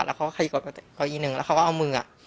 แล้วเขาก็ขยับมาอีกเก้าอี้หนึ่งแล้วเขาก็เอามืออ่ะ